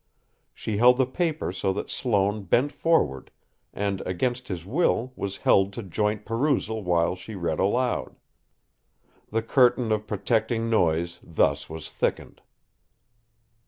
She held the paper so that Sloane bent forward, and, against his will, was held to joint perusal while she read aloud. The curtain of protecting noise thus was thickened.